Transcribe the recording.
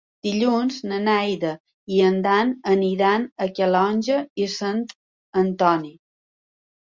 Dilluns na Neida i en Dan aniran a Calonge i Sant Antoni.